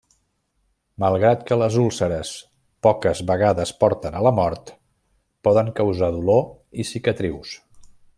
Malgrat que les úlceres poques vegades porten a la mort, poden causar dolor i cicatrius.